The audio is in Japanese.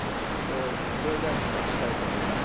防衛大臣にお聞きしたいと思います。